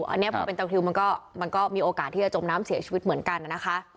อันนี้พอเป็นตะทิวมันก็มีโอกาสที่จะจมน้ำเสียชีวิตเหมือนกันนะคะ